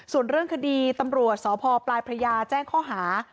ส่วนเรื่องคดีตำรวจสพปลายพระยาแจ้งข้อหา